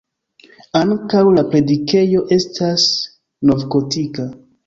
Ankaŭ la predikejo estas novgotika.